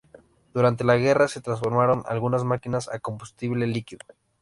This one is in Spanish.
Durante la guerra se transformaron algunas máquinas a combustible líquido.